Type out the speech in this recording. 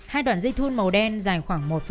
hai đoạn dây thun màu đen dài khoảng một bốn mươi bảy m